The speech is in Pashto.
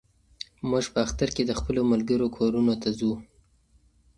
موږ په اختر کې د خپلو ملګرو کورونو ته ځو.